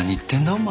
お前。